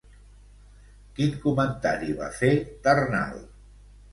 Quin comentari va fer Ternal?